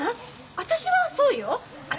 私はそう。